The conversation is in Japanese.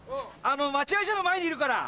待合所の前にいるから。